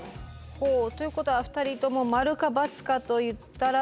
ほうということは２人とも「○」か「×」かと言ったらば。